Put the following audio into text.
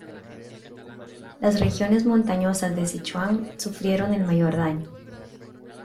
Las regiones montañosas de Sichuan sufrieron el mayor daño.